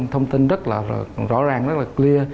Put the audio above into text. thông tin rất là rõ ràng rất là clear